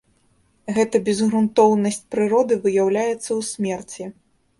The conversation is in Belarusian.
Гэта безгрунтоўнасць прыроды выяўляецца ў смерці.